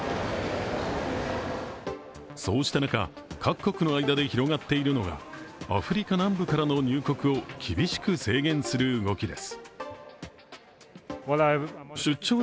そうした中で、各国の間で広がっているのがアフリカ南部からの入国を厳しく制限する動きです。